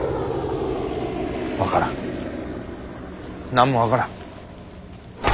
分からん何も分からん。